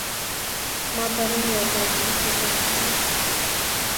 ما پرون یو تاریخي کتاب ولوست